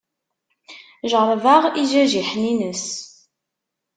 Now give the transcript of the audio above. Jeṛṛebeɣ ijajiḥen-ines.